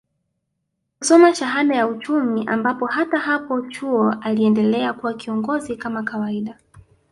kusoma shahada ya Uchumi ambapo hata hapo chuo aliendelea kuwa kiongozi kama kawaida